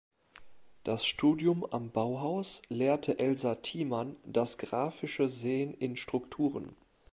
Das Studium am Bauhaus lehrte Elsa Thiemann das grafische Sehen in Strukturen.